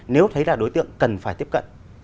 nếu thấy ra đối tượng cần phải tiếp cận